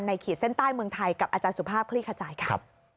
ขีดเส้นใต้เมืองไทยกับอาจารย์สุภาพคลี่ขจายค่ะ